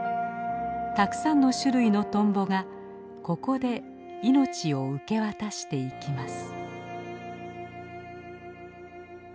たくさんの種類のトンボがここで命を受け渡していきます。